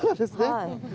はい。